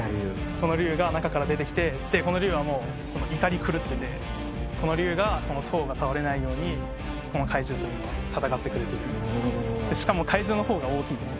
この龍が中から出てきてこの龍はもう怒り狂っててこの龍がこの塔が倒れないようにこの怪獣と今戦ってくれてるしかも怪獣の方が大きいんです